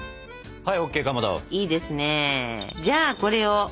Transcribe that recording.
はい！